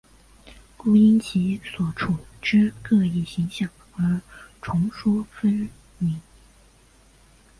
故因其所处之各异形象而众说纷纭。